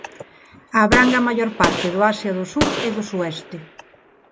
Abrangue a maior parte do Asia do sur e do sueste.